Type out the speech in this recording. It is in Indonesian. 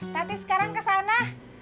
tati sekarang kesana